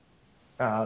ああ。